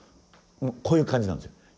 もうこういう感じなんですよ